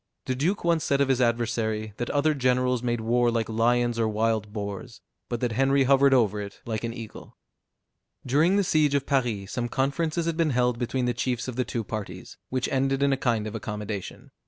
The duke once said of his adversary, that other generals made war like lions or wild boars; but that Henry hovered over it like an eagle. During the siege of Paris, some conferences had been held between the chiefs of the two parties, which ended in a kind of accommodation.